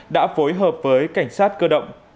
đã phối hợp với cảnh sát cơ động